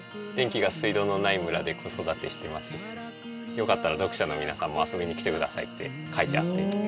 「よかったら読者の皆さんも遊びに来てください」って書いてあって。